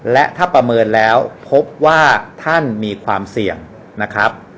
และถ้าประเมินแล้วพบว่าท่านมีความเสี่ยงนะครับ